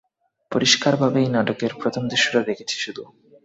পরিষ্কারভাবেই, নাটকের প্রথম দৃশ্যটা দেখেছি শুধু!